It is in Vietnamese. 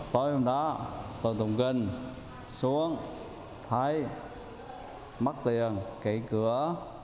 tối hôm đó tôi tùng gân xuống thấy mắc tiền kế cửa